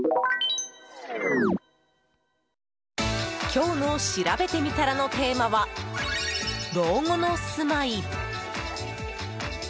今日のしらべてみたらのテーマは、老後の住まい。